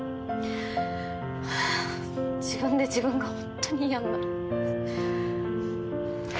ハァ自分で自分がホントに嫌になる。